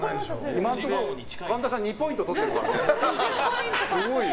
今のところ神田さん２ポイントとってるからね。